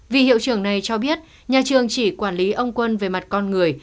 vị hiệu trưởng này cho biết nhà trường chỉ quản lý ông quân về mặt con người